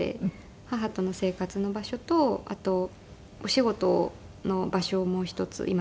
母との生活の場所とあとお仕事の場所をもう一つ。